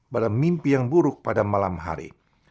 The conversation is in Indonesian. pada mimpi yang buruk pada malam hari